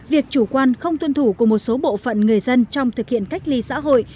việc chủ quan không tuân thủ của một số bộ phận người dân trong thực hiện cách ly xã hội